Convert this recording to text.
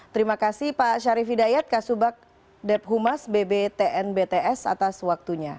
terima kasih pak syarif hidayat kasubag dephumas bbtn bts atas waktunya